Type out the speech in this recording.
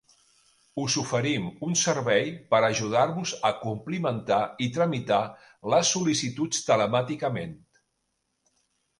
Us oferim un servei per ajudar-vos a complimentar i tramitar les sol·licituds telemàticament.